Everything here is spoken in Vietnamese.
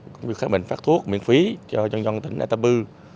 cũng như khám bệnh phát thuốc miễn phí cho dân dân tỉnh atta bư